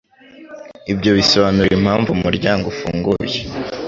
Ibyo bisobanura impamvu umuryango ufunguye.